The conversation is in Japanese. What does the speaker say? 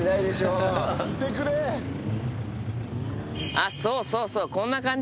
あっそうそうそうこんな感じですよ。